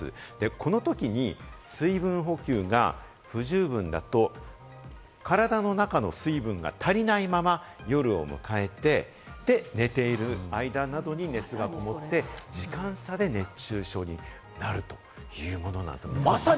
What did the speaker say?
このときに水分補給が不十分だと、体の中の水分が足りないまま夜を迎えて、寝ている間などに熱がこもって、時間差で熱中症になるというものなんです。